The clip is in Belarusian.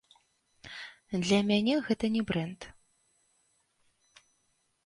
Для мяне гэта не брэнд.